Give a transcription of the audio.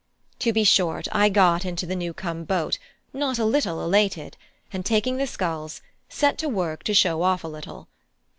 To be short, I got into the new come boat, not a little elated, and taking the sculls, set to work to show off a little.